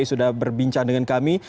sudah berbincang dengan kami